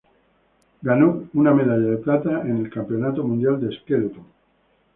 Ganó una medalla de plata en el Campeonato Mundial de Skeleton.